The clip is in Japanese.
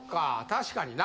確かにな。